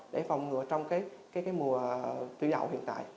để phòng ngừa trong mùa thủy đậu hiện tại